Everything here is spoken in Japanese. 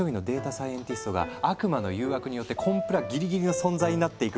サイエンティストが悪魔の誘惑によってコンプラギリギリの存在になっていく